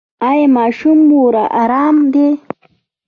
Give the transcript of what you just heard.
ایا ماشوم مو ارام دی؟